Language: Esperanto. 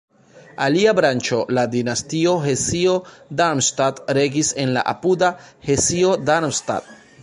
Alia branĉo, la dinastio Hesio-Darmstadt regis en la apuda Hesio-Darmstadt.